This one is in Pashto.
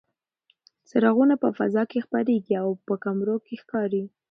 څراغونه په فضا کې خپرېږي او په کمرو کې ښکاري.